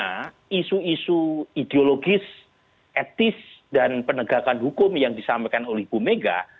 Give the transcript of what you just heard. karena isu ideologis etis dan penegakan hukum yang disampaikan oleh ibu mega